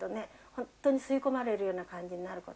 本当に吸い込まれるような感じになること。